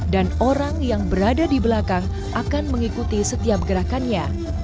dan orang yang berada di belakang akan mengikuti setiap gerakannya